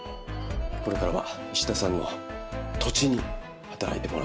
これからは石田さんの土地に働いてもらう番です。